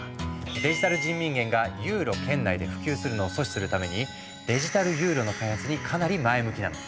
デジタル人民元がユーロ圏内で普及するのを阻止するためにデジタルユーロの開発にかなり前向きなの。